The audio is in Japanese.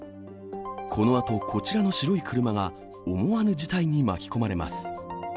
このあと、こちらの白い車が思わぬ事態に巻き込まれます。